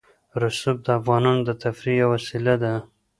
رسوب د افغانانو د تفریح یوه وسیله ده.